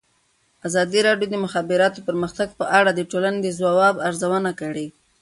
ازادي راډیو د د مخابراتو پرمختګ په اړه د ټولنې د ځواب ارزونه کړې.